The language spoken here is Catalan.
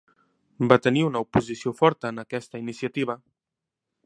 Va tenir una oposició forta en aquesta iniciativa.